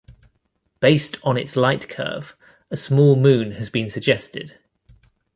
Based on its lightcurve, a small moon has been suggested.